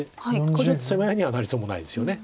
これちょっと攻め合いにはなりそうもないですよね